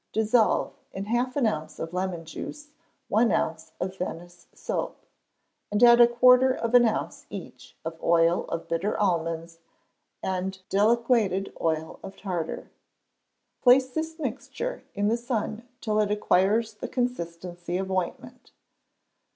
Dissolve, in half an ounce of lemon juice, one ounce of Venice soap, and add a quarter of an ounce each of oil of bitter almonds, and deliquated oil of tartar. Place this mixture in the sun till it acquires the consistency of ointment.